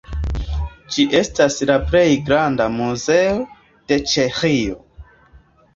Ĝi estas la plej granda muzeo de Ĉeĥio.